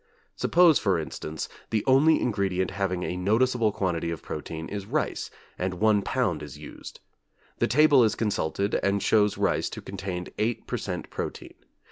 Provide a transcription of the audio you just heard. Suppose, for instance, the only ingredient having a noticeable quantity of protein is rice, and 1 lb. is used. The table is consulted and shows rice to contain eight per cent. protein.